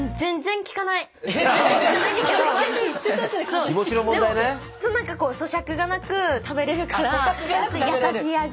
そうなんかこうそしゃくがなく食べれるからやさしい味。